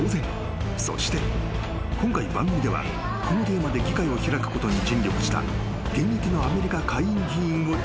［そして今回番組ではこのテーマで議会を開くことに尽力したアメリカ］